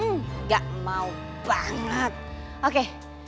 nggak mau banget oke